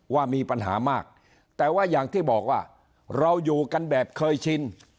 ว่ามีปัญหามากแต่ว่าอย่างที่บอกว่าเราอยู่กันแบบเคยชิน